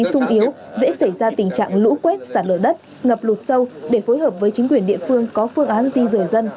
xung yếu dễ xảy ra tình trạng lũ quét xả lở đất ngập lụt sâu để phối hợp với chính quyền địa phương có phương án di rời dân